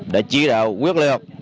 đã chỉ đạo quyết liệt